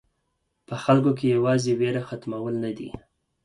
په خلکو کې یوازې وېره ختمول نه دي.